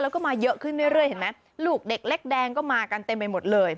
แล้วก็มาเยอะขึ้นเรื่อยเห็นไหมลูกเด็กเล็กแดงก็มากันเต็มไปหมดเลย